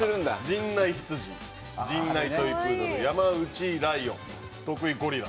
陣内ヒツジ陣内トイプードル山内ライオン徳井ゴリラ。